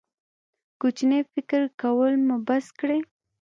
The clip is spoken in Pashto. کوچنی فکر کول مو بس کړئ.